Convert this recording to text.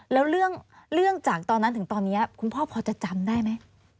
แล้วเรื่องจากตอนนั้นถึงตอนนี้คุณพ่อพอจะจำได้ไหม